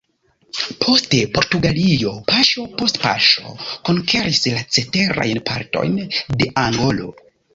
Poste Portugalio paŝo post paŝo konkeris la ceterajn partojn de Angolo.